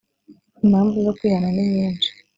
impamvu zo kwihana ni nyinshi